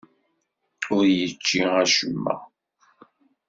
Ur yečči acemma.